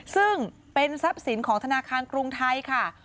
ซึ่งเป็นทรัพย์สินของธนาคารกรุงไทยค่ะ